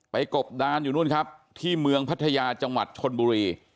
กบดานอยู่นู่นครับที่เมืองพัทยาจังหวัดชนบุรี